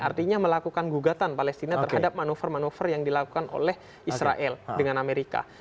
artinya melakukan gugatan palestina terhadap manuver manuver yang dilakukan oleh israel dengan amerika